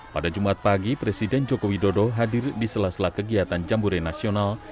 pada jumat pagi presiden joko widodo hadir di sela sela kegiatan jambore nasional